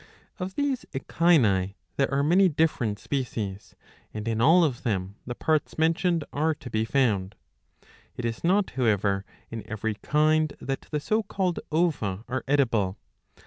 *" Of these Echini there are many different species, and in all of them the parts mentioned are to be found. It is not however in every kind that the so called ova are edible.